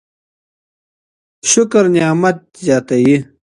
شکر نعمت زياتوي.